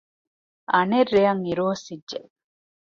އަނެއް ރެއަށް އިރު އޮއްސިއް ޖެ